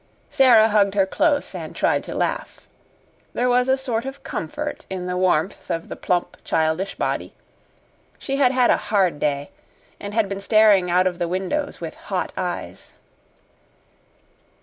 Sara hugged her close and tried to laugh. There was a sort of comfort in the warmth of the plump, childish body. She had had a hard day and had been staring out of the windows with hot eyes.